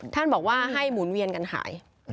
ท่านบอกว่าให้หมุนเวียนกันหาย